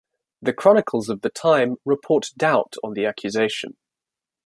The chronicles of the time report doubt on the accusation.